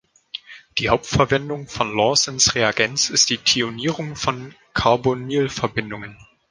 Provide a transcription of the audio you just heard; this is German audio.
Die Hauptverwendung von Lawessons Reagenz ist die Thionierung von Carbonylverbindungen.